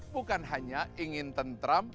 bukan hanya ingin tentram